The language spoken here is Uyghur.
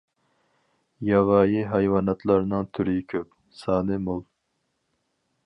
ياۋايى ھايۋاناتلارنىڭ تۈرى كۆپ، سانى مول.